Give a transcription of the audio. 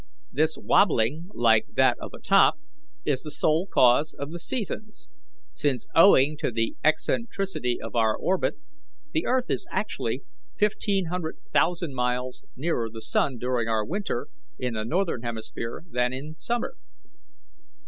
This wabbling, like that of a top, is the sole cause of the seasons; since, owing to the eccentricity of our orbit, the earth is actually fifteen hundred thousand miles nearer the sun during our winter, in the northern hemisphere, than in summer.